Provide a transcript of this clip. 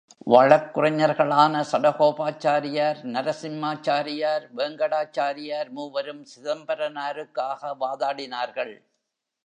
வழக்குரைஞர்களான சடகோபாச்சாரியார், நரசிம்மாச்சாரியார், வேங்கடாச்சாரியார் மூவரும் சிதம்பரனாருக்காக வாதாடினார்கள்.